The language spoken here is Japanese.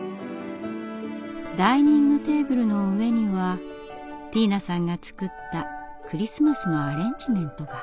ダイニングテーブルの上にはティーナさんが作ったクリスマスのアレンジメントが。